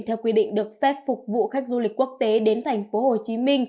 theo quy định được phép phục vụ khách du lịch quốc tế đến tp hcm